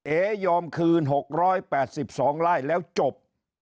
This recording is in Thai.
เอ๋ยอมคืน๖๘๒ไร่แล้วจบ